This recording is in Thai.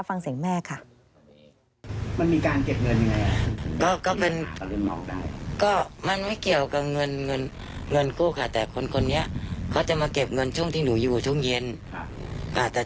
ฟังเสียงแม่ค่ะ